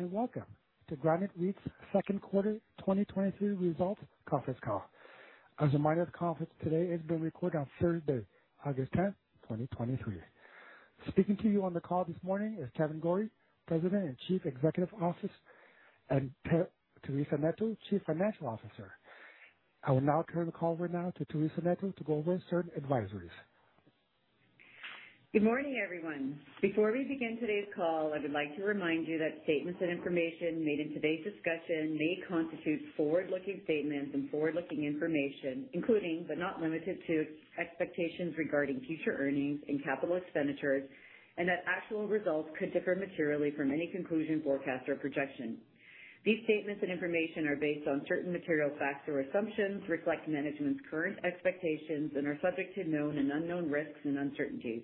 Good morning, and welcome to Granite REIT's second quarter 2023 results conference call. As a reminder, the conference today is being recorded on Thursday, August 10th, 2023. Speaking to you on the call this morning is Kevan Gorrie, President and Chief Executive Officer, and Teresa Neto, Chief Financial Officer. I will now turn the call right now to Teresa Neto to go over certain advisories. Good morning, everyone. Before we begin today's call, I would like to remind you that statements and information made in today's discussion may constitute forward-looking statements and forward-looking information, including, but not limited to, expectations regarding future earnings and capital expenditures, and that actual results could differ materially from any conclusions, forecast, or projection. These statements and information are based on certain material facts or assumptions, reflect management's current expectations, and are subject to known and unknown risks and uncertainties.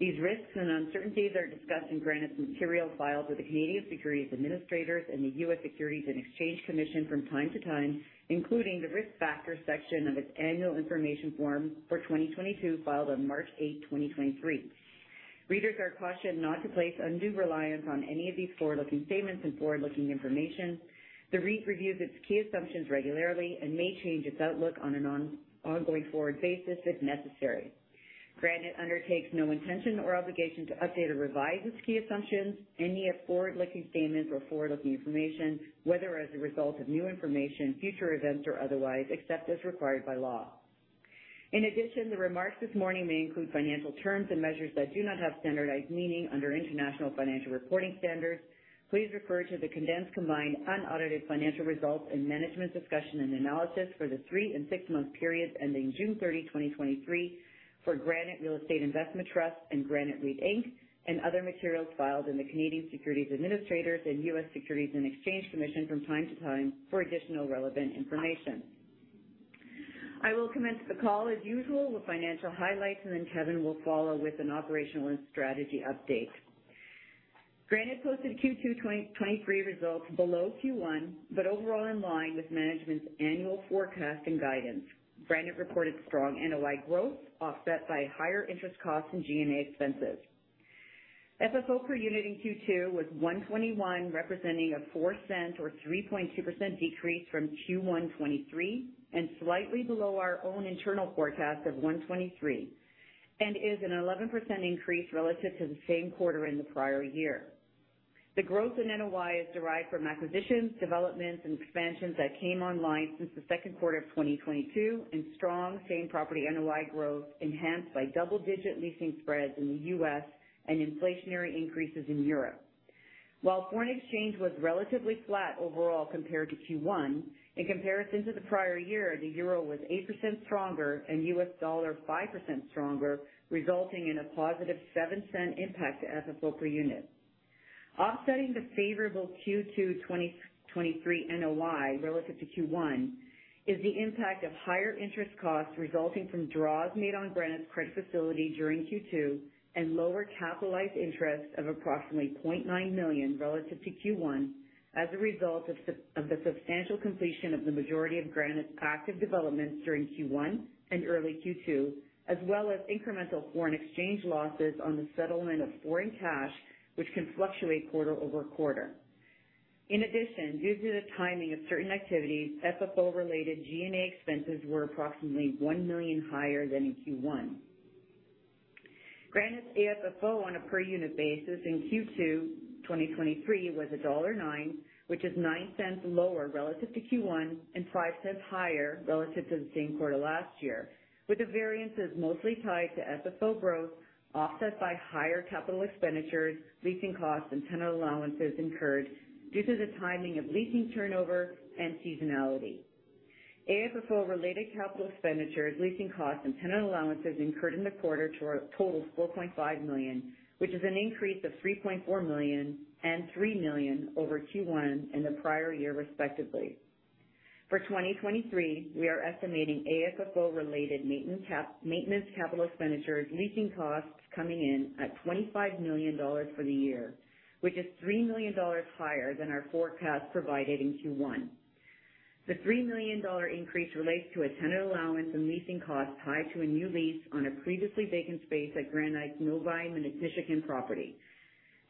These risks and uncertainties are discussed in Granite's materials filed with the Canadian Securities Administrators and the U.S. Securities and Exchange Commission from time to time, including the Risk Factors section of its Annual Information Form for 2022, filed on March 8th, 2023. Readers are cautioned not to place undue reliance on any of these forward-looking statements and forward-looking information. The REIT reviews its key assumptions regularly and may change its outlook on an ongoing forward basis if necessary. Granite undertakes no intention or obligation to update or revise its key assumptions, any forward-looking statements or forward-looking information, whether as a result of new information, future events, or otherwise, except as required by law. In addition, the remarks this morning may include financial terms and measures that do not have standardized meaning under International Financial Reporting Standards. Please refer to the condensed combined unaudited financial results and Management's Discussion and Analysis for the three- and six-month periods ending June 30, 2023, for Granite Real Estate Investment Trust and Granite REIT Inc., and other materials filed in the Canadian Securities Administrators and U.S. Securities and Exchange Commission from time to time for additional relevant information. I will commence the call as usual with financial highlights, and then Kevan will follow with an operational and strategy update. Granite posted Q2 2023 results below Q1, overall in line with management's annual forecast and guidance. Granite reported strong NOI growth, offset by higher interest costs and G&A expenses. FFO per unit in Q2 was 1.21, representing a 0.04 or 3.2% decrease from Q1 2023, and slightly below our own internal forecast of 1.23, and is an 11% increase relative to the same quarter in the prior year. The growth in NOI is derived from acquisitions, developments, and expansions that came online since the second quarter of 2022, and strong Same Property NOI growth enhanced by double-digit leasing spreads in the US and inflationary increases in Europe. While foreign exchange was relatively flat overall compared to Q1, in comparison to the prior year, the euro was 8% stronger and U.S. dollar 5% stronger, resulting in a positive 0.07 impact to FFO per unit. Offsetting the favorable Q2 2023 NOI relative to Q1 is the impact of higher interest costs resulting from draws made on Granite's credit facility during Q2, and lower capitalized interest of approximately 0.9 million relative to Q1 as a result of the substantial completion of the majority of Granite's active developments during Q1 and early Q2, as well as incremental foreign exchange losses on the settlement of foreign cash, which can fluctuate quarter-over-quarter. Due to the timing of certain activities, FFO-related G&A expenses were approximately 1 million higher than in Q1. Granite's AFFO on a per unit basis in Q2 2023 was dollar 1.09, which is 0.09 lower relative to Q1 and 0.05 higher relative to the same quarter last year, with the variances mostly tied to FFO growth, offset by higher capital expenditures, leasing costs, and tenant allowances incurred due to the timing of leasing turnover and seasonality. AFFO-related capital expenditures, leasing costs, and tenant allowances incurred in the quarter totals 4.5 million, which is an increase of 3.4 million and 3 million over Q1 in the prior year, respectively. For 2023, we are estimating AFFO-related maintenance cap, maintenance capital expenditures, leasing costs coming in at 25 million dollars for the year, which is 3 million dollars higher than our forecast provided in Q1. The 3 million dollar increase relates to a tenant allowance and leasing cost tied to a new lease on a previously vacant space at Granite's Novi, Michigan, property.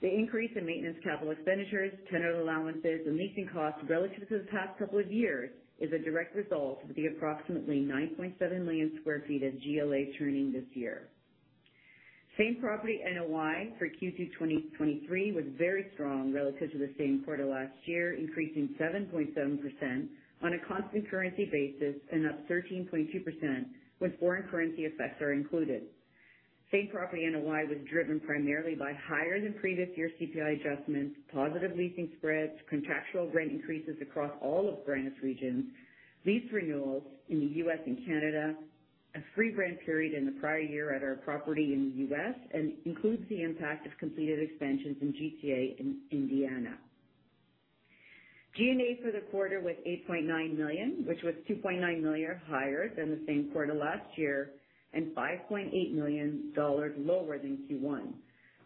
The increase in maintenance, capital expenditures, tenant allowances, and leasing costs relative to the past couple of years is a direct result of the approximately 9.7 million sq ft of GLA turning this year. Same Property NOI for Q2 2023 was very strong relative to the same quarter last year, increasing 7.7% on a constant currency basis and up 13.2% when foreign currency effects are included. Same Property NOI was driven primarily by higher than previous year CPI adjustments, positive leasing spreads, contractual rent increases across all of Granite's regions, lease renewals in the U.S. and Canada, a free-rent period in the prior year at our property in the U.S., and includes the impact of completed expansions in GTA and Indiana. G&A for the quarter was 8.9 million, which was 2.9 million higher than the same quarter last year and 5.8 million dollars lower than Q1.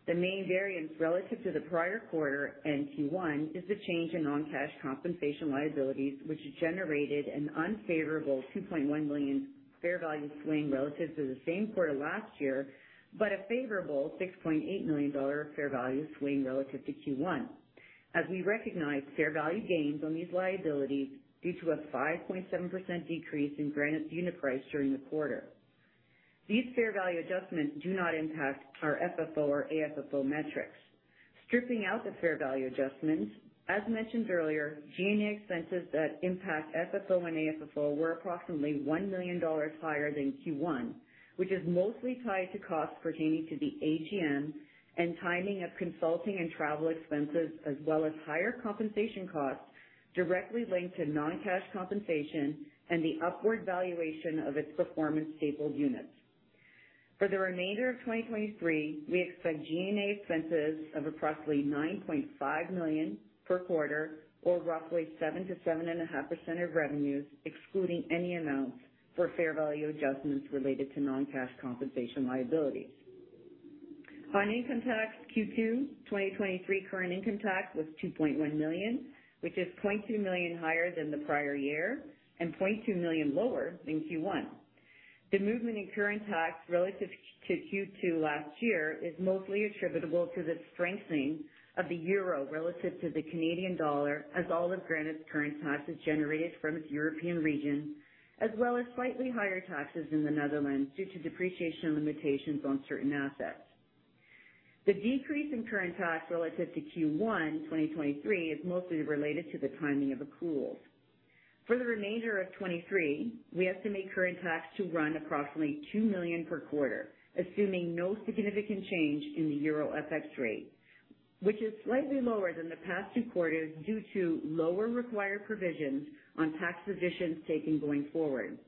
The main variance relative to the prior quarter and Q1 is the change in non-cash compensation liabilities, which generated an unfavorable 2.1 million fair value swing relative to the same quarter last year, but a favorable 6.8 million dollar fair value swing relative to Q1. as we recognize fair value gains on these liabilities due to a 5.7% decrease in Granite's unit price during the quarter. These fair value adjustments do not impact our FFO or AFFO metrics. Stripping out the fair value adjustments, as mentioned earlier, G&A expenses that impact FFO and AFFO were approximately 1 million dollars higher than Q1, which is mostly tied to costs pertaining to the AGM and timing of consulting and travel expenses, as well as higher compensation costs directly linked to non-cash compensation and the upward valuation of its Performance Stapled Units. For the remainder of 2023, we expect G&A expenses of approximately 9.5 million per quarter, or roughly 7%-7.5% of revenues, excluding any amounts for fair value adjustments related to non-cash compensation liabilities. On income tax Q2, 2023, current income tax was 2.1 million, which is 0.2 million higher than the prior year and 0.2 million lower than Q1. The movement in current tax relative to Q2 last year is mostly attributable to the strengthening of the euro relative to the Canadian dollar, as all of Granite's current taxes generated from its European region, as well as slightly higher taxes in the Netherlands due to depreciation limitations on certain assets. The decrease in current tax relative to Q1, 2023, is mostly related to the timing of accruals. For the remainder of 2023, we estimate current tax to run approximately 2 million per quarter, assuming no significant change in the euro FX rate, which is slightly lower than the past two quarters due to lower required provisions on tax positions taken going forward.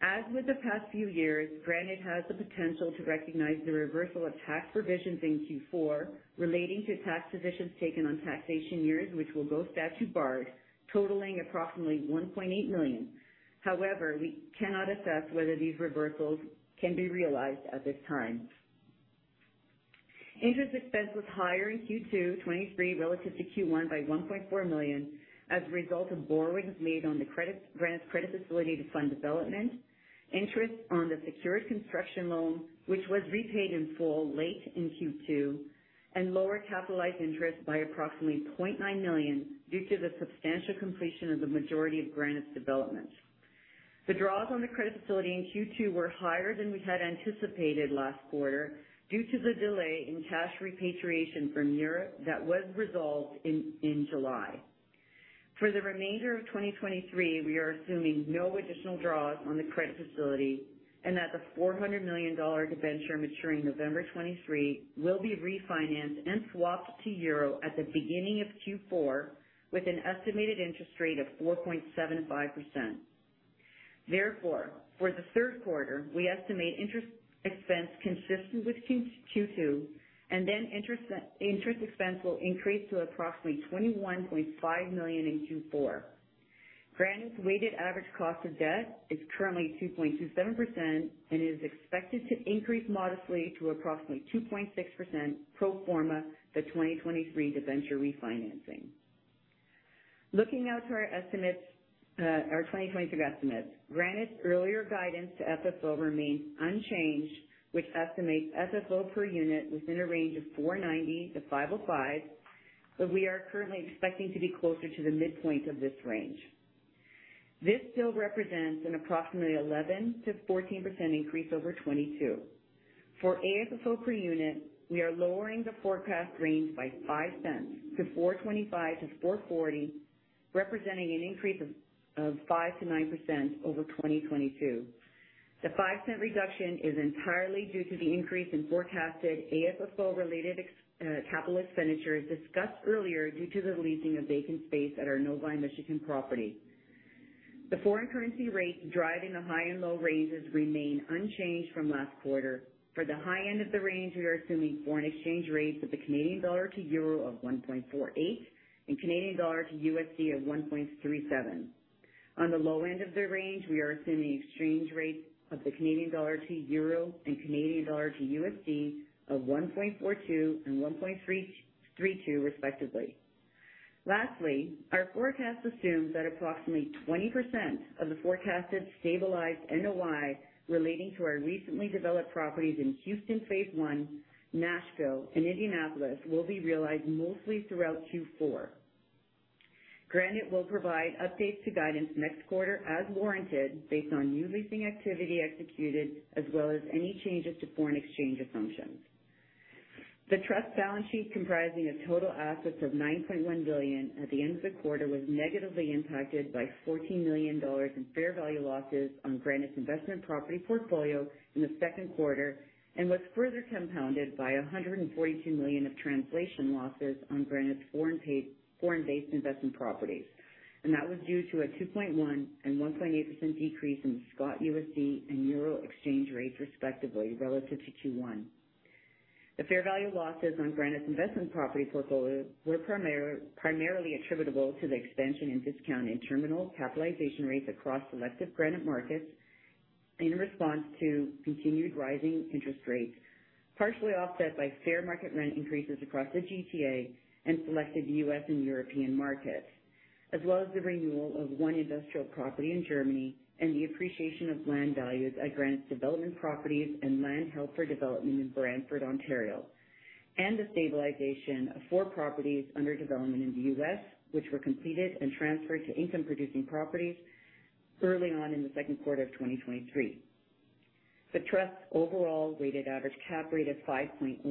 As with the past few years, Granite has the potential to recognize the reversal of tax provisions in Q4 relating to tax positions taken on taxation years, which will go statute-barred, totaling approximately 1.8 million. However, we cannot assess whether these reversals can be realized at this time. Interest expense was higher in Q2 2023 relative to Q1 by 1.4 million as a result of borrowings made on Granite's credit facility to fund development, interest on the secured construction loan, which was repaid in full late in Q2, and lower capitalized interest by approximately 0.9 million due to the substantial completion of the majority of Granite's developments. The draws on the credit facility in Q2 were higher than we had anticipated last quarter due to the delay in cash repatriation from Europe that was resolved in July. For the remainder of 2023, we are assuming no additional draws on the credit facility and that the 400 million dollar debenture maturing November 2023 will be refinanced and swapped to EUR at the beginning of Q4, with an estimated interest rate of 4.75%. Therefore, for the third quarter, we estimate interest expense consistent with Q2, and interest expense will increase to approximately 21.5 million in Q4. Granite's weighted average cost of debt is currently 2.27% and is expected to increase modestly to approximately 2.6% pro forma the 2023 debenture refinancing. Looking now to our estimates, our 2023 estimates. Granite's earlier guidance to FFO remains unchanged, which estimates FFO per unit within a range of 4.90-5.05. We are currently expecting to be closer to the midpoint of this range. This still represents an approximately 11%-14% increase over 2022. For AFFO per unit, we are lowering the forecast range by 0.05 to 4.25-4.40, representing an increase of 5%-9% over 2022. The 0.05 reduction is entirely due to the increase in forecasted AFFO-related ex, capital expenditures discussed earlier due to the leasing of vacant space at our Novi, Michigan, property. The foreign currency rate driving the high and low ranges remain unchanged from last quarter. For the high end of the range, we are assuming foreign exchange rates of the Canadian dollar to euro of 1.48 and Canadian dollar to USD of 1.37. On the low end of the range, we are assuming exchange rates of the Canadian dollar to euro and Canadian dollar to USD of 1.42 and 1.32 respectively. Lastly, our forecast assumes that approximately 20% of the forecasted stabilized NOI relating to our recently developed properties in Houston, Phase One, Nashville, and Indianapolis will be realized mostly throughout Q4. Granite will provide updates to guidance next quarter as warranted, based on new leasing activity executed, as well as any changes to foreign exchange assumptions. The trust balance sheet, comprising of total assets of 9.1 billion at the end of the quarter, was negatively impacted by 14 million dollars in fair value losses on Granite's investment property portfolio in the second quarter, and was further compounded by 142 million of translation losses on Granite's foreign paid, foreign-based investment properties. That was due to a 2.1% and 1.8% decrease in CAD, USD and euro exchange rates, respectively, relative to Q1. The fair value losses on Granite's investment property portfolio were primarily attributable to the expansion in discount in terminal capitalization rates across selected Granite markets in response to continued rising interest rates, partially offset by fair market rent increases across the GTA and selected U.S. and European markets. as well as the renewal of one industrial property in Germany, and the appreciation of land values at Granite development properties and land held for development in Brantford, Ontario. The stabilization of four properties under development in the US, which were completed and transferred to income-producing properties early on in the second quarter of 2023. The Trust's overall weighted average cap rate of 5.09%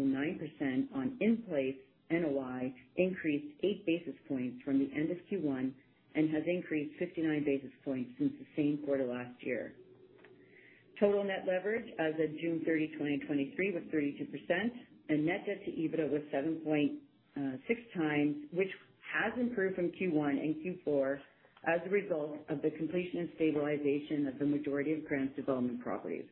on in-place NOI, increased eight basis points from the end of Q1, and has increased 59 basis points since the same quarter last year. Total net leverage as of June 30, 2023 was 32%, and net debt-to-EBITDA was 7.6x, which has improved from Q1 and Q4 as a result of the completion and stabilization of the majority of Granite's development properties.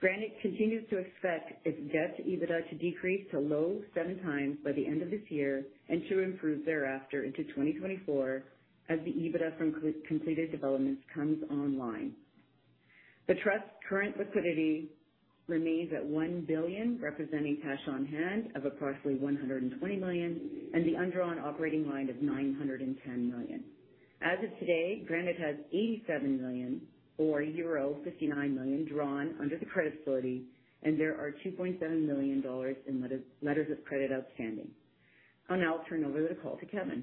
Granite continues to expect its debt to EBITDA to decrease to low 7x by the end of this year, and to improve thereafter into 2024 as the EBITDA from completed developments comes online. The Trust's current liquidity remains at 1 billion, representing cash on hand of approximately 120 million, and the undrawn operating line of 910 million. As of today, Granite has 87 million or euro 59 million drawn under the credit facility, and there are 2.7 million dollars in letters of credit outstanding. I'll now turn over the call to Kevan.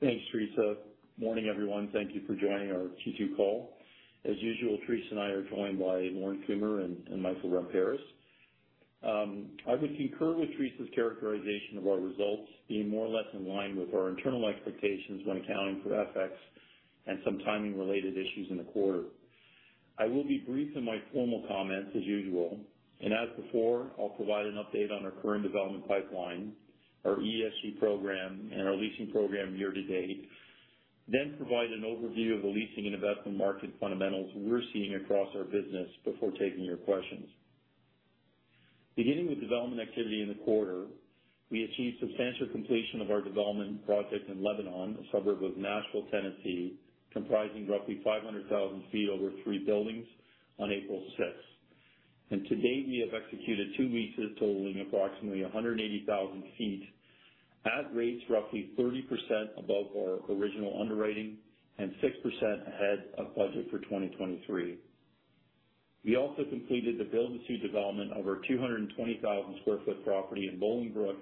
Thanks, Teresa. Morning, everyone. Thank you for joining our Q2 call. As usual, Teresa and I are joined by Lorne Kumer and Michael Ramparas. I would concur with Teresa's characterization of our results being more or less in line with our internal expectations when accounting for FX and some timing related issues in the quarter. I will be brief in my formal comments as usual. As before, I'll provide an update on our current development pipeline, our ESG program, and our leasing program year to date. Provide an overview of the leasing and investment market fundamentals we're seeing across our business before taking your questions. Beginning with development activity in the quarter, we achieved substantial completion of our development project in Lebanon, a suburb of Nashville, Tennessee, comprising roughly 500,000 sq ft over three buildings on April 6th. To date, we have executed two leases totaling approximately 180,000 sq ft at rates roughly 30% above our original underwriting and 6% ahead of budget for 2023. We also completed the build-to-suit development of our 220,000 sq ft property in Bolingbrook,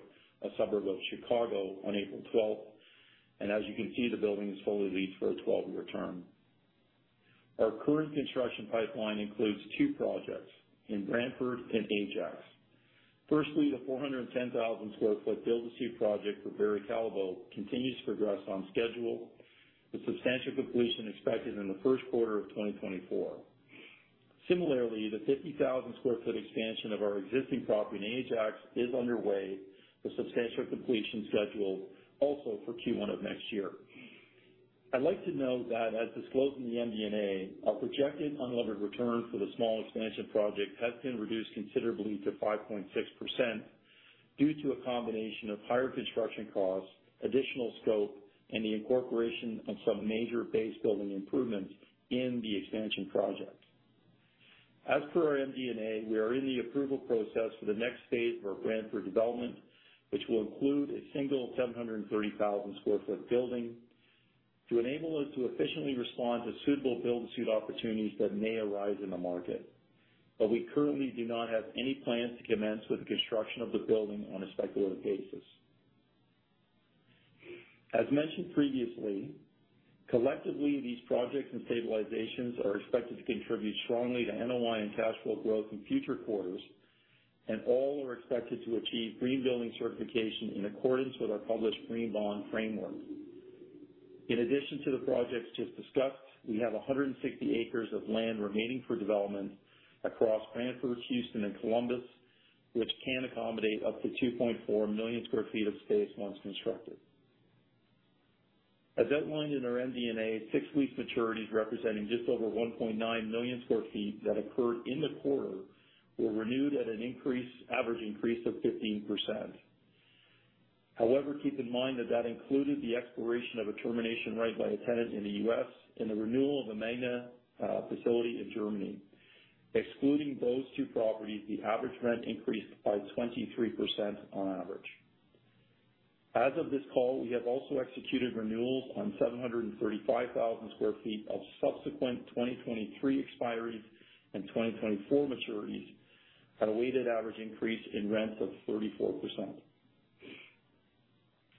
a suburb of Chicago, on April 12, and as you can see, the building is fully leased for a 12-year term. Our current construction pipeline includes two projects in Brantford and Ajax. Firstly, the 410,000 sq ft build-to-suit project for Barry Callebaut continues to progress on schedule, with substantial completion expected in Q1 of 2024. Similarly, the 50,000 sq ft expansion of our existing property in Ajax is underway, with substantial completion scheduled also for Q1 of next year. I'd like to note that, as disclosed in the MD&A, our projected unlevered return for the small expansion project has been reduced considerably to 5.6% due to a combination of higher construction costs, additional scope, and the incorporation of some major base-building improvements in the expansion project. As per our MD&A, we are in the approval process for the next phase of our Brantford development, which will include a single 730,000 sq ft building to enable us to efficiently respond to suitable build-to-suit opportunities that may arise in the market. We currently do not have any plans to commence with the construction of the building on a speculative basis. As mentioned previously, collectively, these projects and stabilizations are expected to contribute strongly to NOI and cash flow growth in future quarters, and all are expected to achieve green-building certification in accordance with our published Green Bond Framework. In addition to the projects just discussed, we have 160 acres of land remaining for development across Brantford, Houston, and Columbus, which can accommodate up to 2.4 million sq ft of space once constructed. As outlined in our MD&A, six lease maturities representing just over 1.9 million sq ft that occurred in the quarter were renewed at an increased, average increase of 15%. Keep in mind that that included the expiration of a termination right by a tenant in the U.S. and the renewal of a Magna facility in Germany. Excluding those two properties, the average rent increased by 23% on average. As of this call, we have also executed renewals on 735,000 sq ft of subsequent 2023 expiries and 2024 maturities at a weighted average increase in rents of 34%.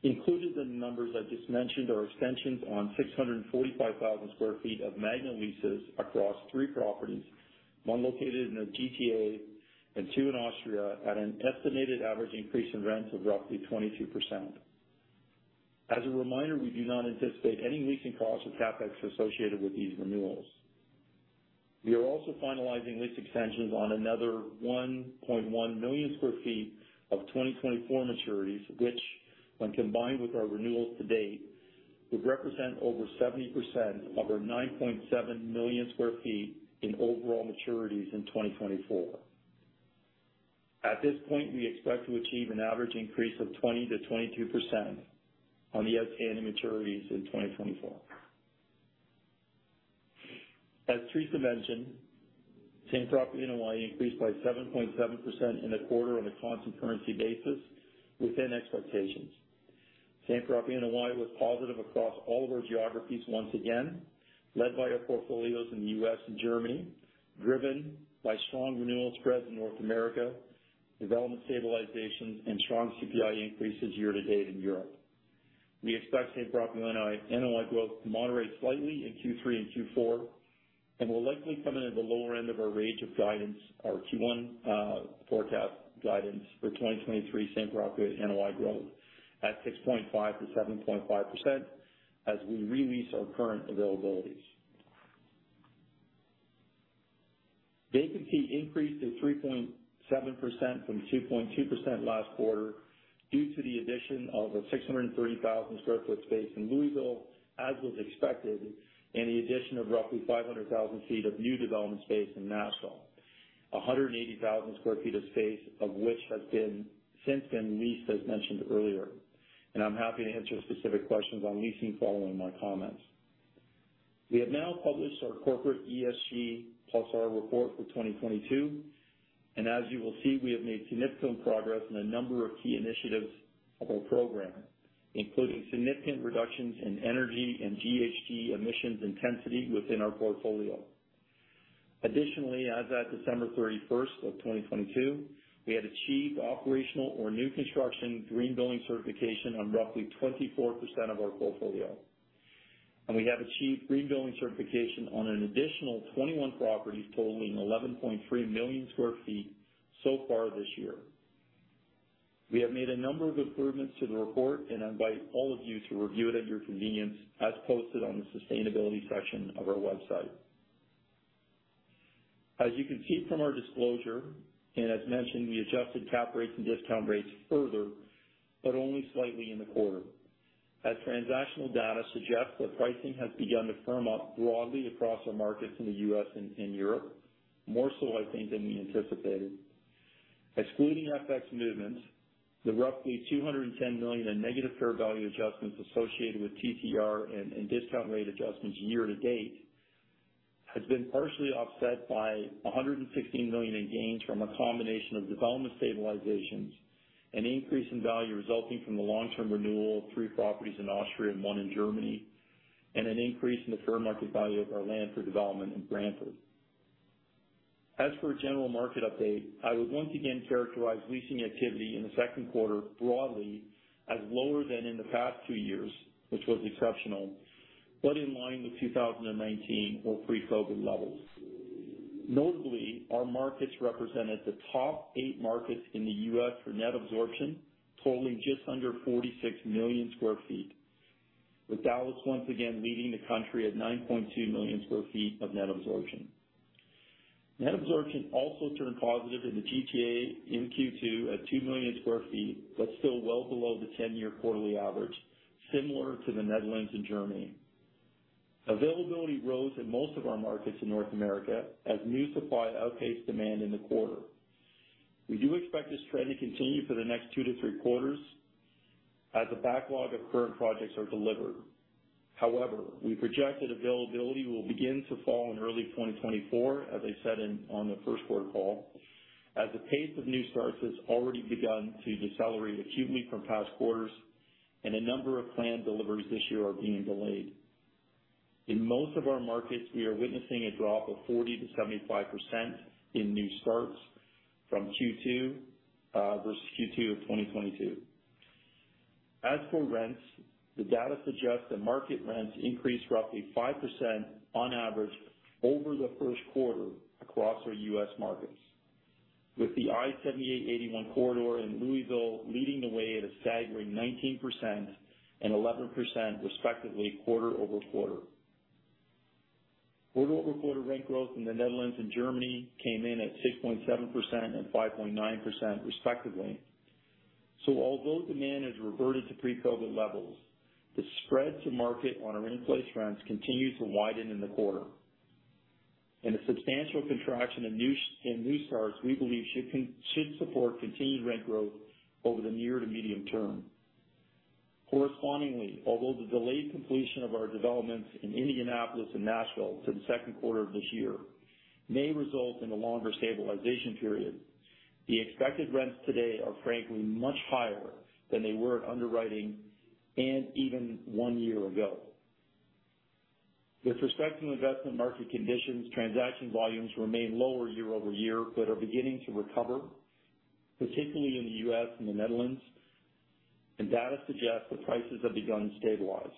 Included in the numbers I just mentioned are extensions on 645,000 sq ft of Magna leases across three properties, one located in the GTA and two in Austria, at an estimated average increase in rents of roughly 22%. As a reminder, we do not anticipate any leasing costs or CapEx associated with these renewals. We are also finalizing lease extensions on another 1.1 million sq ft of 2024 maturities, which, when combined with our renewals to date, would represent over 70% of our 9.7 million sq ft in overall maturities in 2024. At this point, we expect to achieve an average increase of 20%-22% on the outstanding maturities in 2024. As Teresa mentioned, Same Property NOI increased by 7.7% in the quarter on a constant currency basis, within expectations. Same Property NOI was positive across all of our geographies once again, led by our portfolios in the U.S. and Germany, driven by strong renewal spreads in North America, development stabilizations, and strong CPI increases year-to-date in Europe. We expect Same Property NOI, NOI growth to moderate slightly in Q3 and Q4, and will likely come in at the lower end of our range of guidance, our Q1 forecast guidance for 2023 Same Property NOI growth at 6.5%-7.5% as we re-lease our current availabilities. Vacancy increased to 3.7% from 2.2% last quarter, due to the addition of the 630,000 sq ft space in Louisville, as was expected, and the addition of roughly 500,000 sq ft of new development space in Nashville. 180,000 sq ft of space, of which has been since been leased, as mentioned earlier, and I'm happy to answer specific questions on leasing following my comments. We have now published our corporate ESG+R Report for 2022. As you will see, we have made significant progress in a number of key initiatives of our program, including significant reductions in energy and GHG emissions intensity within our portfolio. Additionally, as at December 31st of 2022, we had achieved operational or new construction green-building certification on roughly 24% of our portfolio. We have achieved green-building certification on an additional 21 properties, totaling 11.3 million sq ft so far this year. We have made a number of improvements to the report, and invite all of you to review it at your convenience, as posted on the sustainability section of our website. As you can see from our disclosure, and as mentioned, we adjusted cap rates and discount rates further, but only slightly in the quarter. Transactional data suggests that pricing has begun to firm up broadly across our markets in the US and Europe, more so, I think, than we anticipated. Excluding FX movements, the roughly 210 million in negative fair value adjustments associated with TTR and discount rate adjustments year to date, has been partially offset by 116 million in gains from a combination of development stabilizations, an increase in value resulting from the long-term renewal of three properties in Austria and one in Germany, and an increase in the fair market value of our land for development in Brantford. For a general market update, I would once again characterize leasing activity in the second quarter broadly as lower than in the past two years, which was exceptional, but in line with 2019 or pre-COVID levels. Notably, our markets represented the top eight markets in the US for net absorption, totaling just under 46 million sq ft, with Dallas once again leading the country at 9.2 million sq ft of net absorption. Net absorption also turned positive in the GTA in Q2 at 2 million sq ft, but still well below the 10-year quarterly average, similar to the Netherlands and Germany. Availability rose in most of our markets in North America as new supply outpaced demand in the quarter. We do expect this trend to continue for the next two to three quarters as the backlog of current projects are delivered. We project that availability will begin to fall in early 2024, as I said on the first quarter call, as the pace of new starts has already begun to decelerate acutely from past quarters, and a number of planned deliveries this year are being delayed. In most of our markets, we are witnessing a drop of 40%-75% in new starts from Q2 versus Q2 of 2022. As for rents, the data suggests that market rents increased roughly 5% on average over the first quarter across our US markets, with the I-78/81 corridor in Louisville leading the way at a staggering 19% and 11% respectively, quarter-over-quarter. Quarter-over-quarter rent growth in the Netherlands and Germany came in at 6.7% and 5.9% respectively. Although demand has reverted to pre-COVID levels, the spread to market on our in-place rents continued to widen in the quarter. A substantial contraction in new starts, we believe should support continued rent growth over the near to medium term. Correspondingly, although the delayed completion of our developments in Indianapolis and Nashville to the second quarter of this year may result in a longer stabilization period, the expected rents today are frankly much higher than they were at underwriting and even one year ago. With respect to investment market conditions, transaction volumes remain lower year-over-year, but are beginning to recover, particularly in the U.S. and the Netherlands, and data suggests that prices have begun to stabilize.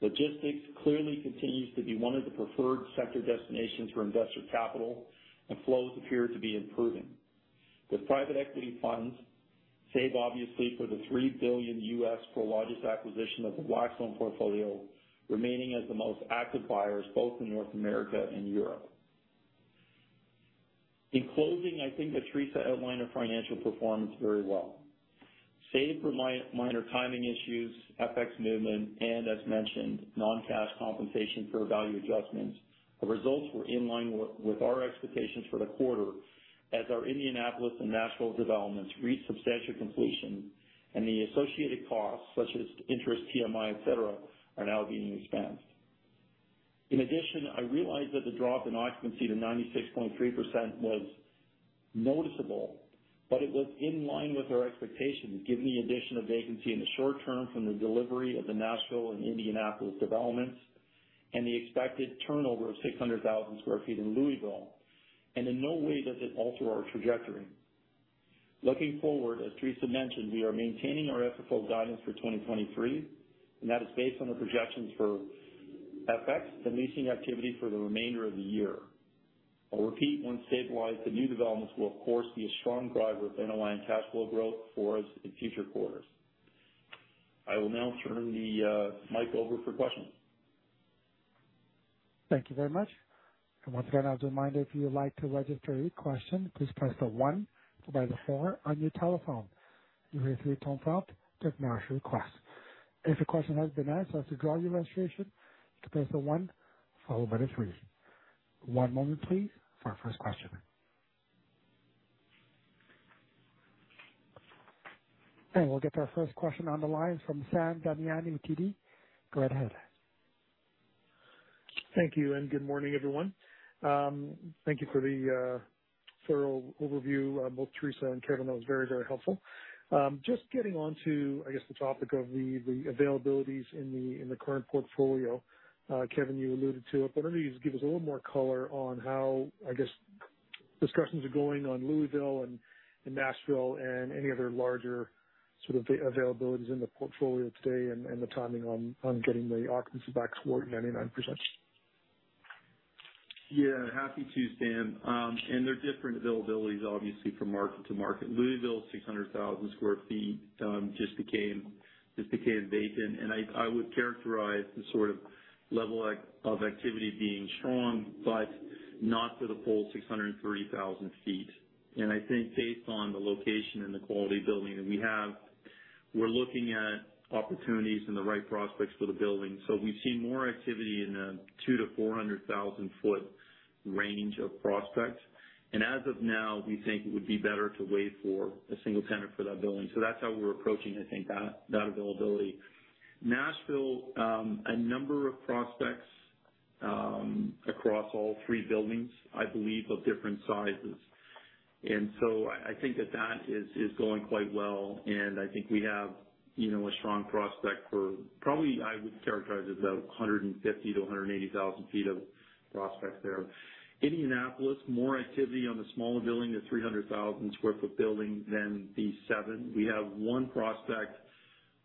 Logistics clearly continues to be one of the preferred sector destinations for investor capital. Flows appear to be improving, with private equity funds, save obviously for the $3 billion Prologis acquisition of the Blackstone portfolio, remaining as the most active buyers both in North America and Europe. In closing, I think that Teresa outlined our financial performance very well. Save for minor timing issues, FX movement, as mentioned, non-cash compensation for value adjustments, our results were in line with our expectations for the quarter, as our Indianapolis and Nashville developments reached substantial completion. The associated costs, such as interest, TMI, et cetera, are now being expensed. In addition, I realize that the drop in occupancy to 96.3% was noticeable, but it was in line with our expectations, given the addition of vacancy in the short term from the delivery of the Nashville and Indianapolis developments and the expected turnover of 600,000 sq ft in Louisville, and in no way does it alter our trajectory. Looking forward, as Teresa mentioned, we are maintaining our FFO guidance for 2023, and that is based on the projections for FX and leasing activity for the remainder of the year. I'll repeat, once stabilized, the new developments will of course be a strong driver of NOI and cash flow growth for us in future quarters. I will now turn the mic over for questions. Thank you very much. Once again, I'll do remind, if you would like to register your question, please press one followed by four on your telephone. You will hear a tone prompt that acknowledge your request. If your question has been asked or to draw your registration, press one followed by three. One moment please, for our first question. We'll get to our first question on the line from Sam Damiani, TD. Go ahead. Thank you. Good morning, everyone. Thank you for the thorough overview, both Teresa and Kevan. That was very, very helpful. Just getting onto, I guess, the topic of the availabilities in the current portfolio. Kevan, you alluded to it, but I wonder if you could give us a little more color on how, I guess, discussions are going on Louisville and Nashville and any other larger sort of availabilities in the portfolio today and the timing on getting the occupancy back toward 99%. Yeah, happy to, Sam. They're different availabilities, obviously, from market to market. Louisville, 600,000 sq ft, just became vacant. I would characterize the sort of level of activity being strong, but not for the full 630,000 sq ft. Based on the location and the quality of building that we have, we're looking at opportunities and the right prospects for the building. We've seen more activity in the 200,000-400,000 sq ft range of prospects. As of now, we think it would be better to wait for a single tenant for that building. That's how we're approaching, I think, that availability. Nashville, a number of prospects, across all three buildings, I believe, of different sizes. So I, I think that that is, is going quite well, and I think we have, you know, a strong prospect for probably I would characterize as about 150,000-180,000 sq ft of prospects there. Indianapolis. More activity on the smaller building, the 300,000 sq ft building than the seven. We have one prospect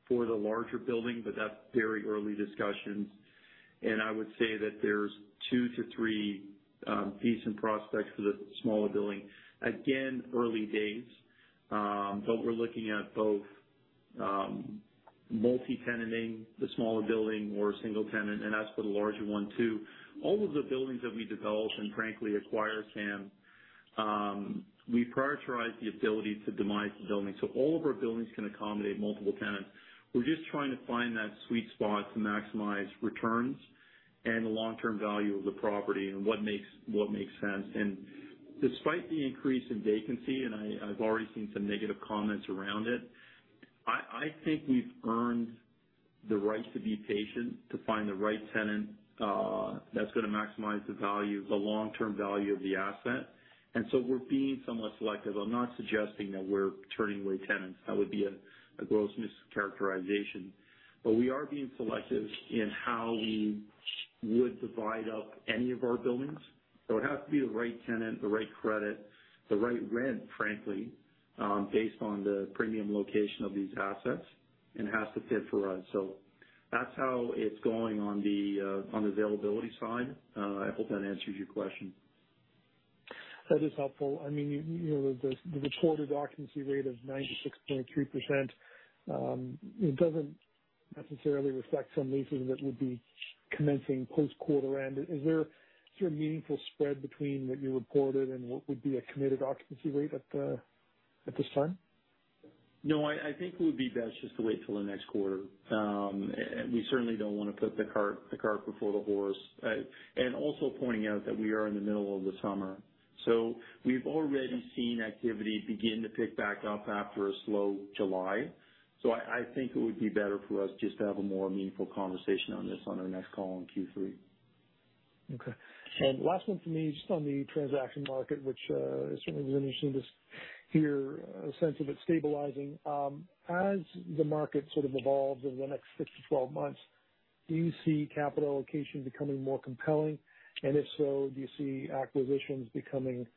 for the larger building, but that's very early discussions. I would say that there's two to three decent prospects for the smaller building. Again, early days, but we're looking at both multi-tenanting the smaller building or a single tenant, and that's for the larger one, too. All of the buildings that we develop and frankly acquire, Sam, we prioritize the ability to demised the building. So all of our buildings can accommodate multiple tenants. We're just trying to find that sweet spot to maximize returns and the long-term value of the property and what makes, what makes sense. Despite the increase in vacancy, and I, I've already seen some negative comments around it, I, I think we've earned the right to be patient, to find the right tenant, that's gonna maximize the value, the long-term value of the asset. We're being somewhat selective. I'm not suggesting that we're turning away tenants. That would be a, a gross mischaracterization, but we are being selective in how we would divide up any of our buildings. It would have to be the right tenant, the right credit, the right rent, frankly, based on the premium location of these assets, and has to fit for us. That's how it's going on the, on the availability side. I hope that answers your question. That is helpful. I mean, you, you know, the, the reported occupancy rate of 96.3%, it doesn't necessarily reflect some leases that would be commencing post-quarter end. Is there sort of meaningful spread between what you reported and what would be a committed occupancy rate at the, at this time? No, I, I think it would be best just to wait till the next quarter. We certainly don't want to put the cart, the cart before the horse. Also pointing out that we are in the middle of the summer, so we've already seen activity begin to pick back up after a slow July. I, I think it would be better for us just to have a more meaningful conversation on this on our next call in Q3. Okay. Last one from me, just on the transaction market, which it certainly was interesting to hear a sense of it stabilizing. As the market sort of evolves over the next six to 12 months, do you see capital allocation becoming more compelling? If so, do you see acquisitions becoming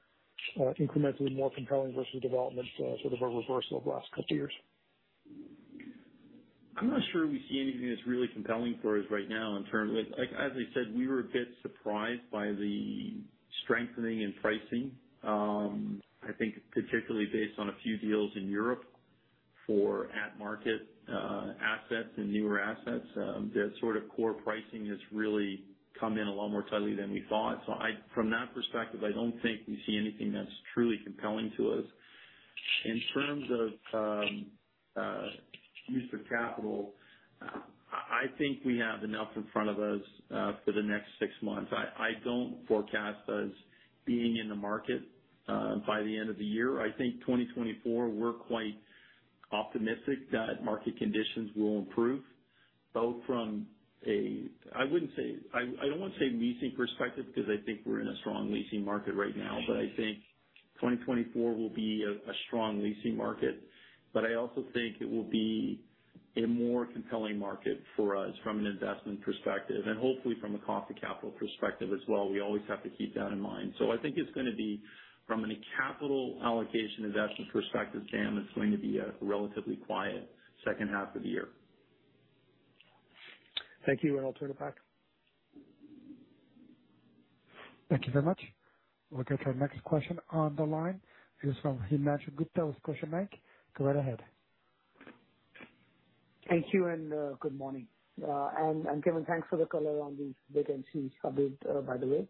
incrementally more compelling versus development, sort of a reversal of the last two years? I'm not sure we see anything that's really compelling for us right now in terms of... Like, as I said, we were a bit surprised by the strengthening in pricing. I think particularly based on a few deals in Europe for at-market assets and newer assets, the sort of core pricing has really come in a lot more tightly than we thought. From that perspective, I don't think we see anything that's truly compelling to us. In terms of use of capital, I think we have enough in front of us for the next six months. I don't forecast us being in the market by the end of the year. I think 2024, we're quite-... optimistic that market conditions will improve both from I wouldn't say, I, I don't want to say leasing perspective because I think we're in a strong leasing market right now, but I think 2024 will be a, a strong leasing market. I also think it will be a more compelling market for us from an investment perspective and hopefully from a cost of capital perspective as well. We always have to keep that in mind. I think it's gonna be from a capital allocation investment perspective, Jan, it's going to be a relatively quiet second half of the year. Thank you, I'll turn it back. Thank you very much. We'll get our next question on the line. It is from Himanshu Gupta with Kotak Bank. Go right ahead. Thank you, good morning, and Kevan Gorrie, thanks for the color on the vacancies covered, by the way.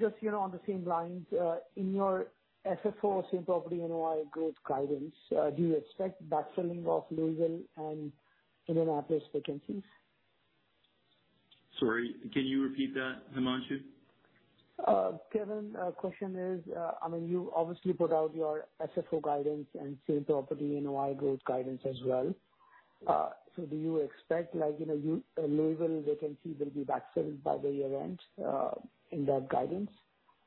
Just, you know, on the same lines, in your FFO Same Property NOI growth guidance, do you expect backfilling of Louisville and Indianapolis vacancies? Sorry, can you repeat that, Himanshu? Kevan, question is, I mean, you obviously put out your FFO guidance and Same Property NOI growth guidance as well. Do you expect, like, you know, Louisville vacancy will be backfilled by the year-end, in that guidance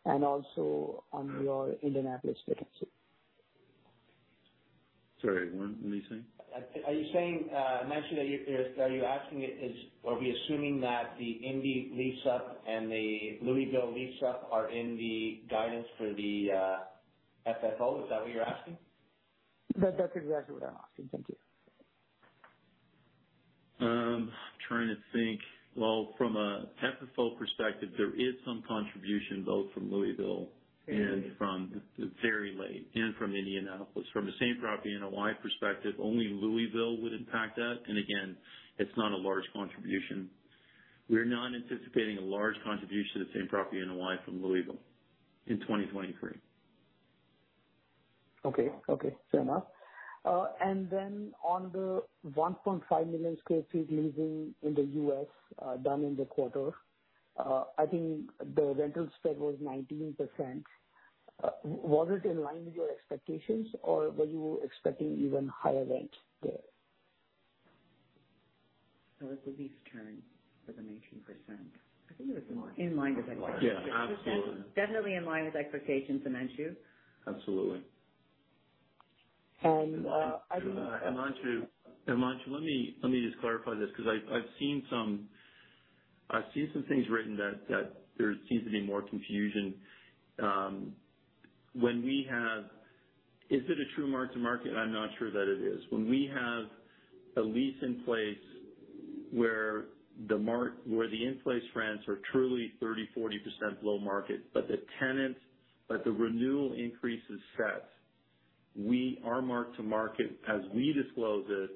and also on your Indianapolis vacancy? Sorry, what are you saying? Are you saying, Himanshu, are you asking is, are we assuming that the Indy lease-up and the Louisville lease-up are in the guidance for the FFO? Is that what you're asking? That's, that's exactly what I'm asking. Thank you. I'm trying to think. Well, from a FFO perspective, there is some contribution both from Louisville and from very late, and from Indianapolis. From the Same Property NOI perspective, only Louisville would impact that. And again, it's not a large contribution. We're not anticipating a large contribution to Same Property NOI from Louisville in 2023. Okay. Okay, fair enough. Then on the 1.5 million sq ft leasing in the U.S., done in the quarter, I think the rental spread was 19%. Was it in line with your expectations, or were you expecting even higher rent there? It's the lease turn for the 19%. I think it was more in line with expectations. Yeah, absolutely. Definitely in line with expectations, Himanshu. Absolutely. And, uh, I think- Himanshu, Himanshu, let me, let me just clarify this because I've, I've seen some, I've seen some things written that, that there seems to be more confusion. Is it a true mark-to-market? I'm not sure that it is. When we have a lease in place where the in-place rents are truly 30%, 40% below market, but the tenant, but the renewal increase is set, we, our mark-to-market, as we disclose it,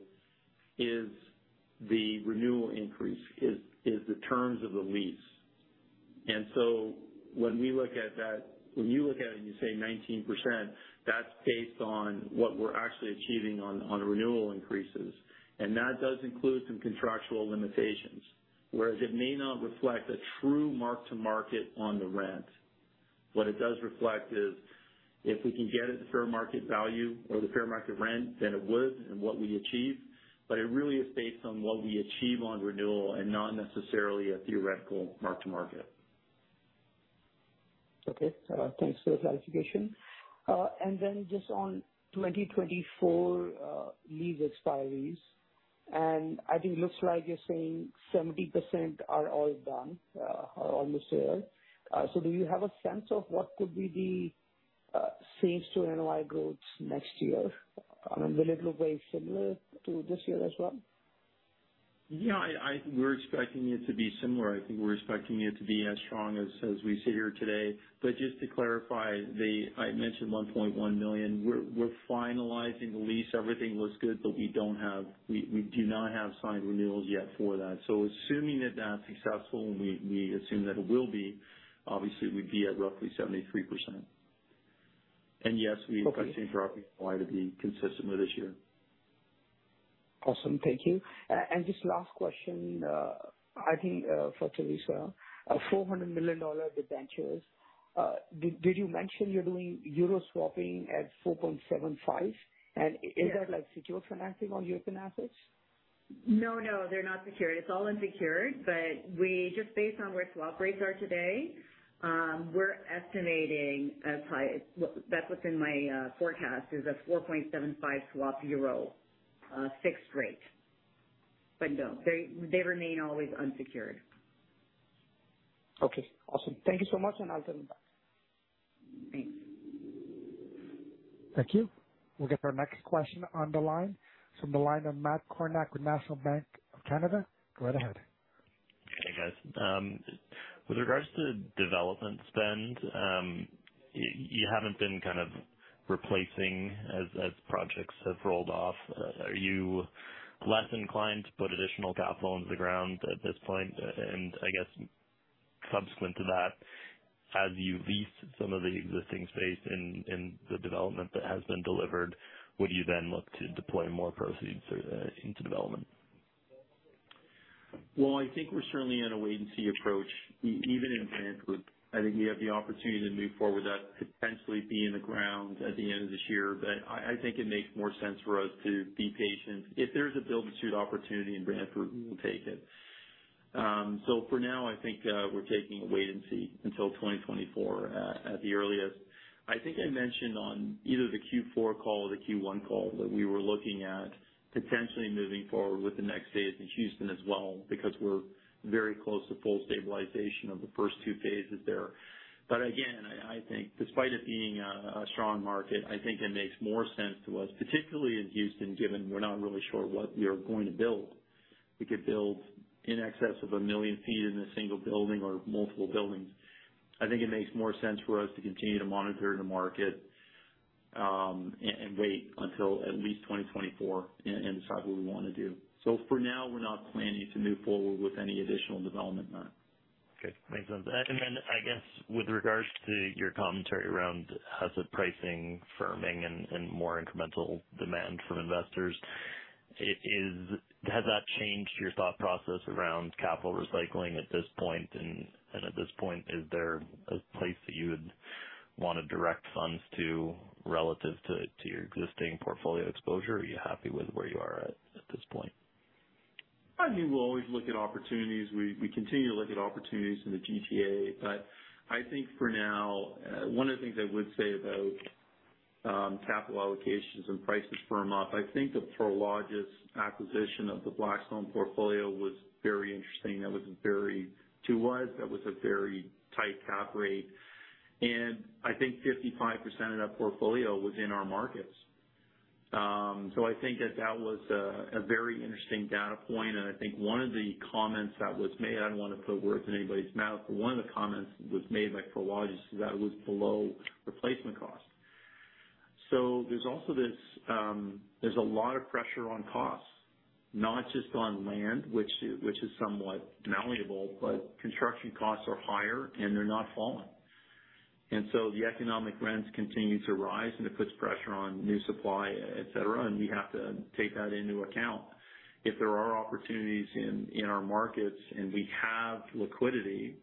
is the renewal increase, is, is the terms of the lease. When we look at that, when you look at it and you say 19%, that's based on what we're actually achieving on, on the renewal increases, and that does include some contractual limitations, whereas it may not reflect a true mark-to-market on the rent. What it does reflect is if we can get it at the fair market value or the fair market rent, then it would and what we achieve, but it really is based on what we achieve on renewal and not necessarily a theoretical mark-to-market. Okay. Thanks for the clarification. Just on 2024 lease expiries, I think it looks like you're saying 70% are all done or almost there. Do you have a sense of what could be the change to NOI growth next year? Will it look very similar to this year as well? Yeah, I, I, we're expecting it to be similar. I think we're expecting it to be as strong as, as we sit here today. Just to clarify, the I mentioned 1.1 million sq ft. We're, we're finalizing the lease. Everything looks good, but we don't have we, we do not have signed renewals yet for that. Assuming that that's successful, and we, we assume that it will be, obviously, we'd be at roughly 73%. Yes, we expect the Same Property NOI to be consistent with this year. Awesome. Thank you. Just last question, I think, for Teresa. 400 million dollar debentures, did, did you mention you're doing EUR swapping at 4.75%? Yes. Is that like secured financing on European assets? No, no, they're not secured. It's all unsecured, but we just based on where swap rates are today, we're estimating as high... Well, that's what's in my forecast, is a 4.75% swap EUR fixed rate. No, they, they remain always unsecured. Okay, awesome. Thank you so much. I'll turn it back. Thank you. We'll get our next question on the line from the line of Matt Kornack with National Bank of Canada. Go right ahead. Hey, guys. With regards to development spend, you haven't been kind of replacing as projects have rolled off. Are you less inclined to put additional capital into the ground at this point? I guess subsequent to that, as you lease some of the existing space in the development that has been delivered, would you then look to deploy more proceeds into development? Well, I think we're certainly in a wait-and-see approach, even in Brantford. I think we have the opportunity to move forward with that, potentially be in the ground at the end of this year. I think it makes more sense for us to be patient. If there's a build-to-suit opportunity in Brantford, we will take it. For now, I think, we're taking a wait and see until 2024, at the earliest. I think I mentioned on either the Q4 call or the Q1 call that we were looking at potentially moving forward with the next phase in Houston as well, because we're very close to full stabilization of the first two phases there. Again, I, I think despite it being a, a strong market, I think it makes more sense to us, particularly in Houston, given we're not really sure what we are going to build. We could build in excess of million sq ft in a single building or multiple buildings. I think it makes more sense for us to continue to monitor the market, and wait until at least 2024 and decide what we wanna do. For now, we're not planning to move forward with any additional development there. Okay, makes sense. Then I guess with regards to your commentary around asset pricing firming and, and more incremental demand from investors, has that changed your thought process around capital recycling at this point? At this point, is there a place that you would wanna direct funds to relative to, to your existing portfolio exposure? Are you happy with where you are at, at this point? I mean, we'll always look at opportunities. We, we continue to look at opportunities in the GTA, but I think for now, one of the things I would say about capital allocations and prices firm up, I think the Prologis acquisition of the Blackstone portfolio was very interesting. That was a very, two wise, that was a very tight cap rate, and I think 55% of that portfolio was in our markets. I think that that was a very interesting data point, and I think one of the comments that was made, I don't want to put words in anybody's mouth, but one of the comments that was made by Prologis is that it was below replacement cost. There's also this... There's a lot of pressure on costs, not just on land, which, which is somewhat malleable, but construction costs are higher, and they're not falling. The economic rents continue to rise, and it puts pressure on new supply, et cetera, and we have to take that into account. If there are opportunities in, in our markets and we have liquidity,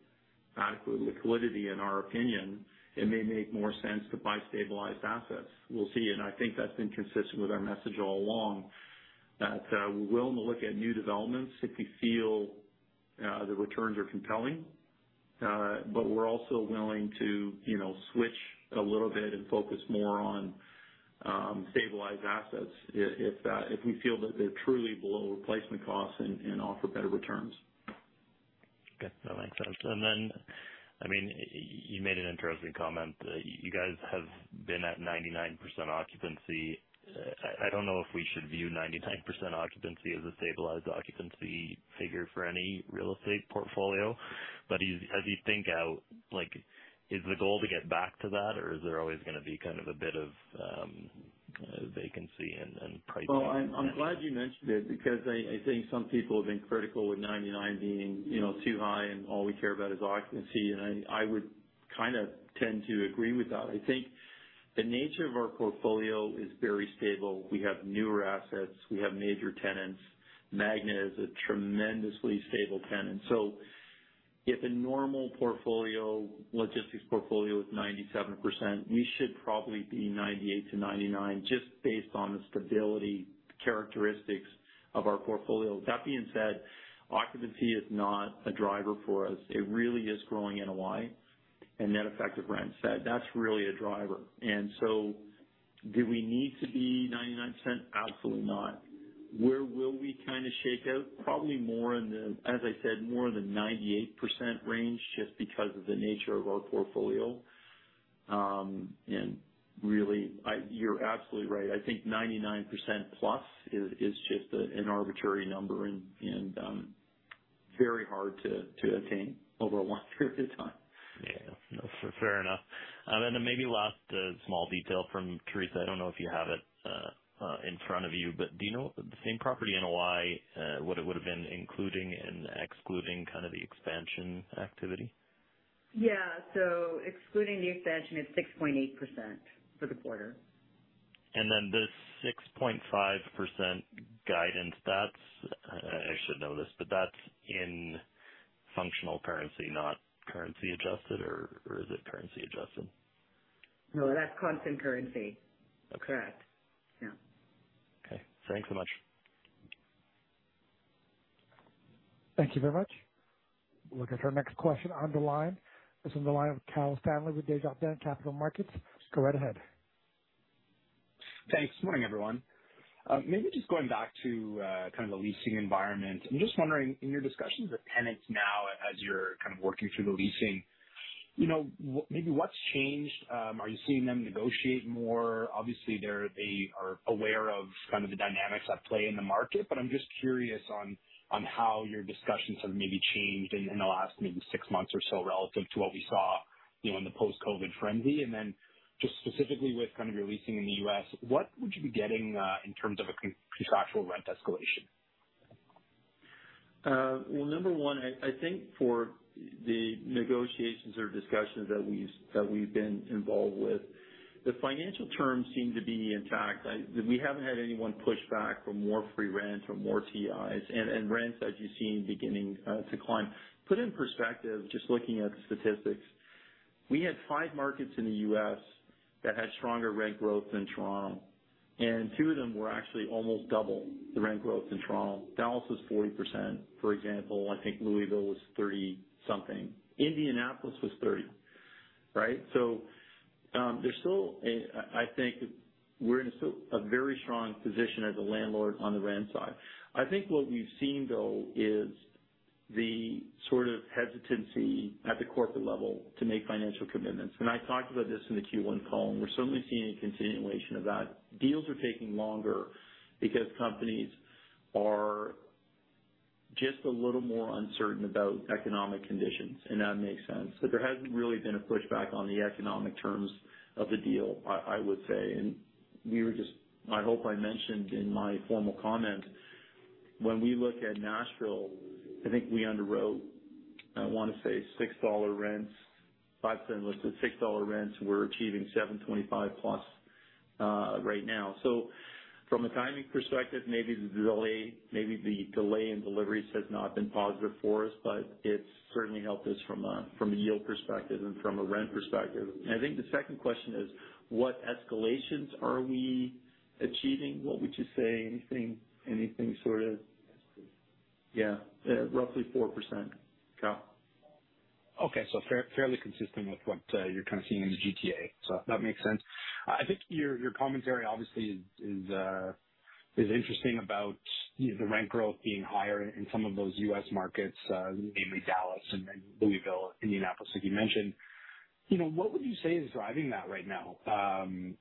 adequate liquidity, in our opinion, it may make more sense to buy stabilized assets. We'll see, and I think that's been consistent with our message all along, that we're willing to look at new developments if we feel the returns are compelling. We're also willing to, you know, switch a little bit and focus more on stabilized assets if, if we feel that they're truly below replacement costs and offer better returns. Okay, that makes sense. I mean, you made an interesting comment. You guys have been at 99% occupancy. I, I don't know if we should view 99% occupancy as a stabilized occupancy figure for any real estate portfolio, but as, as you think out, like is the goal to get back to that, or is there always gonna be kind of a bit of vacancy and, and pricing? Well, I'm, I'm glad you mentioned it, because I, I think some people have been critical with 99 being, you know, too high, and all we care about is occupancy, and I, I would kind of tend to agree with that. I think the nature of our portfolio is very stable. We have newer assets. We have major tenants. Magna is a tremendously stable tenant. If a normal portfolio, logistics portfolio is 97%, we should probably be 98%-99%, just based on the stability characteristics of our portfolio. That being said, occupancy is not a driver for us. It really is growing NOI and net effective rent. That's really a driver. Do we need to be 99%? Absolutely not. Where will we kind of shake out? Probably more in the, as I said, more in the 98% range, just because of the nature of our portfolio. Really, You're absolutely right. I think 99%+ is just a, an arbitrary number and very hard to attain over a long period of time. Yeah. No, fair enough. Maybe last, small detail from Teresa. I don't know if you have it, in front of you, but do you know the Same Property NOI, what it would've been including and excluding kind of the expansion activity? Yeah. Excluding the expansion, it's 6.8% for the quarter. The 6.5% guidance, that's, I should know this, but that's in functional currency, not currency adjusted, or, or is it currency adjusted? No, that's constant currency. Okay. Correct. Yeah. Okay. Thanks so much. Thank you very much. Looking at our next question on the line. This is the line of Kyle Stanley with Desjardins Capital Markets. Go right ahead. Thanks. Morning, everyone. Maybe just going back to, kind of the leasing environment. I'm just wondering, in your discussions with tenants now, as you're kind of working through the leasing, you know, maybe what's changed? Are you seeing them negotiate more? Obviously, they are aware of kind of the dynamics at play in the market, but I'm just curious on, on how your discussions have maybe changed in, in the last maybe six months or so relative to what we saw, you know, in the post-COVID frenzy. Then just specifically with kind of your leasing in the US, what would you be getting, in terms of a contractual rent escalation? Well, number one, I, I think for the negotiations or discussions that we've, that we've been involved with, the financial terms seem to be intact. We haven't had anyone push back for more free rent or more TIs, and rents, as you've seen, beginning to climb. Put in perspective, just looking at the statistics. We had five markets in the US that had stronger rent growth than Toronto, two of them were actually almost double the rent growth in Toronto. Dallas was 40%, for example. I think Louisville was 30-something. Indianapolis was 30%, right? There's still a, I, I think we're in a still a very strong position as a landlord on the rent side. I think what we've seen, though, is the sort of hesitancy at the corporate level to make financial commitments. I talked about this in the Q1 call, and we're certainly seeing a continuation of that. Deals are taking longer because companies are just a little more uncertain about economic conditions, and that makes sense. There hasn't really been a pushback on the economic terms of the deal, I, I would say. I hope I mentioned in my formal comment, when we look at Nashville, I think we underwrote, I want to say $6 rents, $0.05 listed. $6 rents, we're achieving $7.25+ right now. From a timing perspective, maybe the delay, maybe the delay in deliveries has not been positive for us, but it's certainly helped us from a yield perspective and from a rent perspective. I think the second question is, what escalations are we achieving? What would you say? Anything, anything sort of- Yes. Yeah, roughly 4%. Yeah. Okay. Fair-fairly consistent with what, you're kind of seeing in the GTA. That makes sense. I think your, your commentary obviously is, is, interesting about the, the rent growth being higher in some of those US markets, namely Dallas and Louisville, Indianapolis, like you mentioned. You know, what would you say is driving that right now?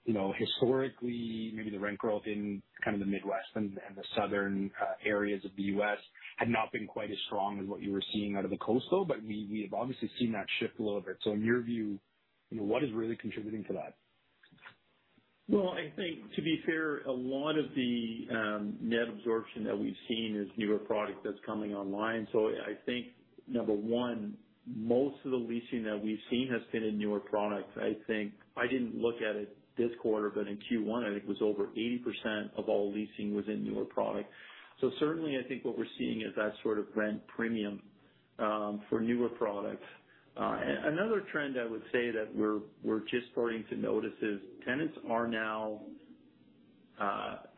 You know, historically, maybe the rent growth in kind of the Midwest and the, and the southern, areas of the US had not been quite as strong as what you were seeing out of the coastal, but we, we've obviously seen that shift a little bit. In your view, you know, what is really contributing to that? Well, I think to be fair, a lot of the net absorption that we've seen is newer product that's coming online. I think, number one, most of the leasing that we've seen has been in newer products. I think I didn't look at it this quarter, but in Q1, I think it was over 80% of all leasing was in newer products. Certainly, I think what we're seeing is that sort of rent premium for newer products. Another trend I would say that we're, we're just starting to notice is tenants are now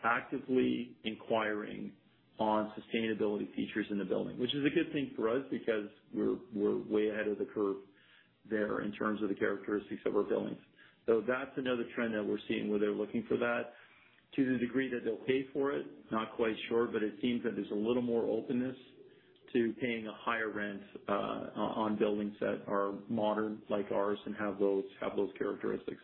actively inquiring on sustainability features in the building, which is a good thing for us because we're, we're way ahead of the curve there in terms of the characteristics of our buildings. That's another trend that we're seeing where they're looking for that. To the degree that they'll pay for it, not quite sure, but it seems that there's a little more openness to paying a higher rent, on buildings that are modern like ours and have those, have those characteristics.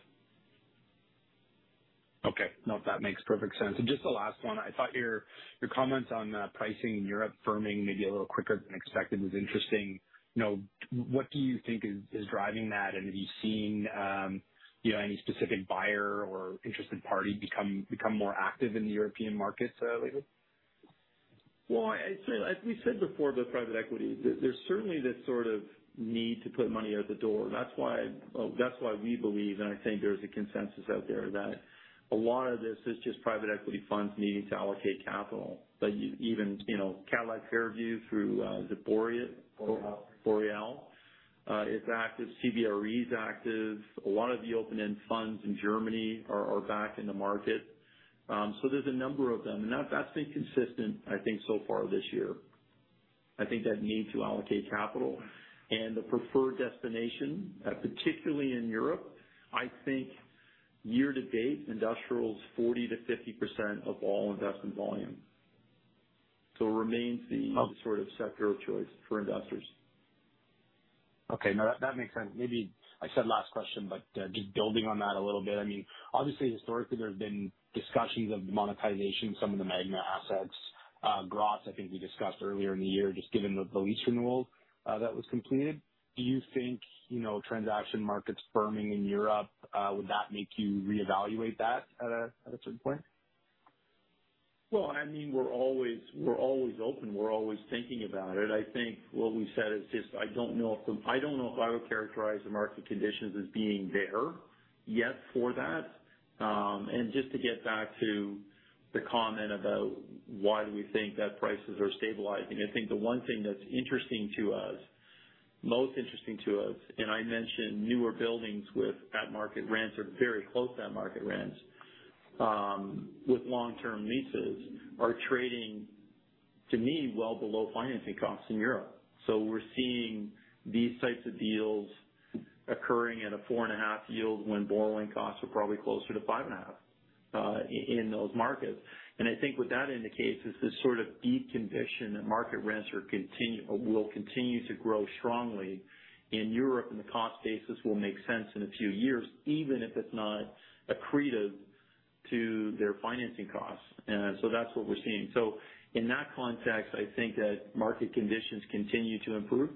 Okay. No, that makes perfect sense. Just the last one, I thought your, your comments on pricing in Europe firming maybe a little quicker than expected was interesting. You know, what do you think is, is driving that, and have you seen, you know, any specific buyer or interested party become, become more active in the European markets lately? Well, as, as we said before, with private equity, there's certainly this sort of need to put money out the door. That's why, that's why we believe, and I think there's a consensus out there, that a lot of this is just private equity funds needing to allocate capital. Even, you know, Cadillac Fairview through Zaporya, Boreal, is active, CBRE is active. A lot of the open-end funds in Germany are, are back in the market. There's a number of them, and that, that's been consistent, I think, so far this year. I think that need to allocate capital and the preferred destination, particularly in Europe, I think year-to-date, industrial is 40%-50% of all investment volume. It remains the Okay. sort of sector of choice for investors. Okay, no, that, that makes sense. Maybe I said last question, but just building on that a little bit. I mean, obviously, historically, there have been discussions of monetization, some of the Magna assets, Graz, I think we discussed earlier in the year, just given the lease renewal that was completed. Do you think, you know, transaction markets firming in Europe, would that make you reevaluate that at a certain point? Well, I mean, we're always, we're always open. We're always thinking about it. I think what we said is just I don't know if I would characterize the market conditions as being there yet for that. And just to get back to the comment about why do we think that prices are stabilizing, I think the one thing that's interesting to us, most interesting to us, and I mentioned newer buildings with at-market rents or very close to market rents, with long-term leases, are trading, to me, well below financing costs in Europe. We're seeing these types of deals occurring at a 4.5% yield, when borrowing costs are probably closer to 5.5% in those markets. I think what that indicates is this sort of deep conviction that market rents are will continue to grow strongly in Europe, and the cost basis will make sense in a few years, even if it's not accretive to their financing costs. That's what we're seeing. In that context, I think that market conditions continue to improve,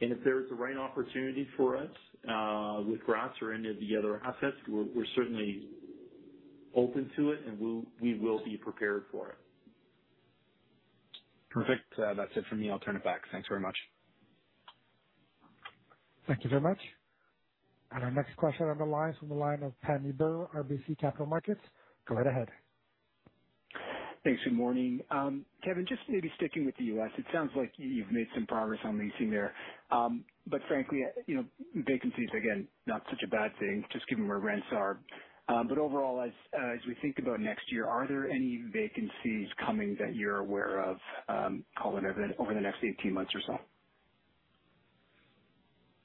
and if there's the right opportunity for us, with Graz or any of the other assets, we're certainly open to it, and we will be prepared for it. Perfect. That's it for me. I'll turn it back. Thanks very much. Thank you very much. Our next question on the line is from the line of Pammi Bir, RBC Capital Markets. Go right ahead. Thanks, good morning. Kevan, just maybe sticking with the US, it sounds like you, you've made some progress on leasing there. Frankly, you know, vacancies, again, not such a bad thing, just given where rents are. Overall, as, as we think about next year, are there any vacancies coming that you're aware of, call it over, over the next 18 months or so?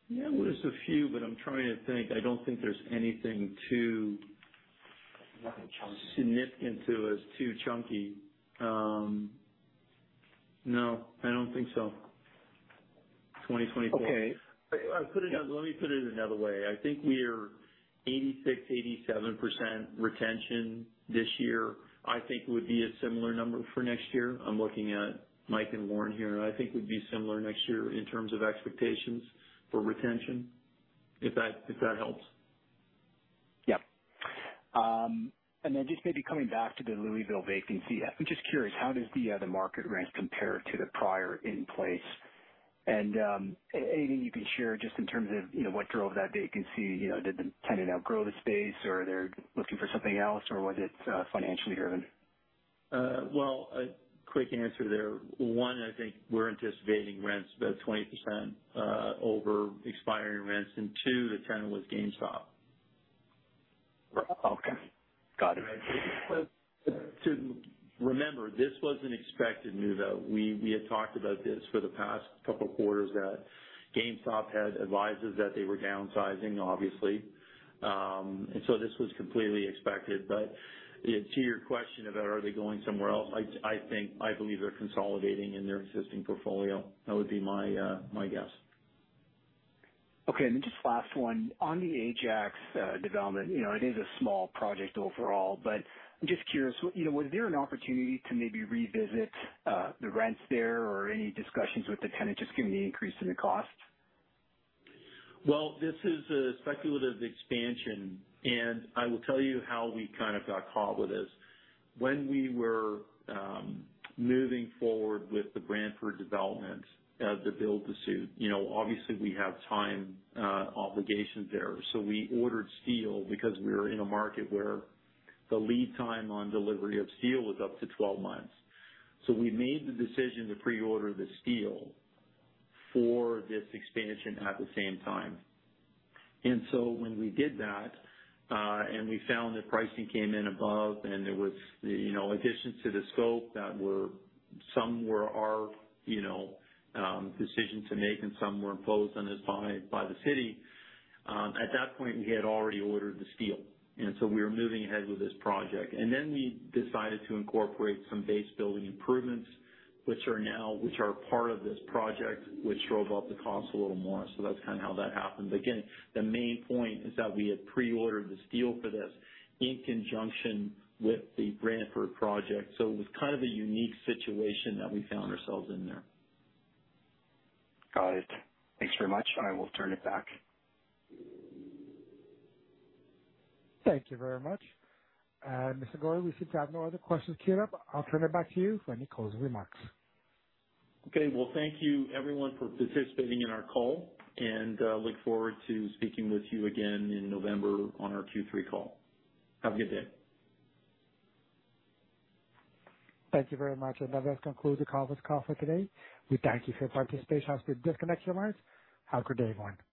Yeah, well, there's a few, but I'm trying to think. I don't think there's anything too- Nothing chunky. -significant to us, too chunky. No, I don't think so. 2024. Okay. I put it in... Let me put it another way. I think we are 86%, 87% retention this year. I think it would be a similar number for next year. I'm looking at Mike and Warren here, and I think would be similar next year in terms of expectations for retention, if that, if that helps. Yep. Then just maybe coming back to the Louisville vacancy, I'm just curious, how does the market rent compare to the prior in place? Anything you can share just in terms of, you know, what drove that vacancy? You know, did the tenant outgrow the space, or they're looking for something else, or was it financially driven? Well, a quick answer there. One, I think we're anticipating rents about 20% over expiring rents, and two, the tenant was GameStop. Okay, got it. To remember, this was an expected move, though. We had talked about this for the past couple of quarters, that GameStop had advised us that they were downsizing, obviously. So this was completely expected. To your question about are they going somewhere else? I think, I believe they're consolidating in their existing portfolio. That would be my guess. Okay. Then just last one. On the Ajax development, you know, it is a small project overall, but I'm just curious, you know, was there an opportunity to maybe revisit the rents there or any discussions with the tenant, just given the increase in the cost? Well, this is a speculative expansion, I will tell you how we kind of got caught with this. When we were moving forward with the Brantford development, the build-to-suit, you know, obviously, we have time obligations there. We ordered steel because we were in a market where the lead time on delivery of steel was up to 12 months. We made the decision to pre-order the steel for this expansion at the same time. When we did that, and we found that pricing came in above, and there was, you know, additions to the scope that were... Some were our, you know, decision to make, and some were imposed on us by, by the city. At that point, we had already ordered the steel, we were moving ahead with this project. Then we decided to incorporate some base-building improvements, which are now, which are part of this project, which drove up the cost a little more. That's kind of how that happened. Again, the main point is that we had pre-ordered the steel for this in conjunction with the Brantford project, so it was kind of a unique situation that we found ourselves in there. Got it. Thanks very much. I will turn it back. Thank you very much. Mr. Gorrie, we seem to have no other questions queued up. I'll turn it back to you for any closing remarks. Okay. Well, thank you everyone for participating in our call. Look forward to speaking with you again in November on our Q3 call. Have a good day. Thank you very much. That concludes the conference call for today. We thank you for your participation. You may disconnect your lines. Have a good day, everyone.